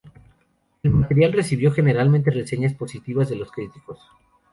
El material recibió generalmente reseñas positivas de los críticos.